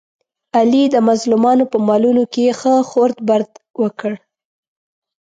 علي د مظلومانو په مالونو کې ښه خورد برد وکړ.